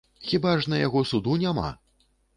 Хіба ж на яго суду няма?